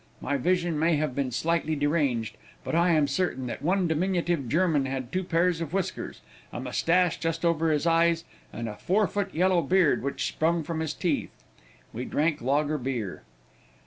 My vision may have been slightly deranged, but I am certain that one diminutive German had two pairs of whiskers a moustache just over his eyes, and a four foot yellow beard which sprung from his teeth. We drank lager bier.